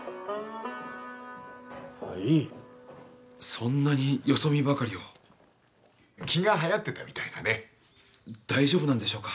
そんなによそ見ばかりを気がはやってたみたいだね大丈夫なんでしょうか？